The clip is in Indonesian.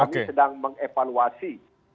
kami sedang mengevaluasi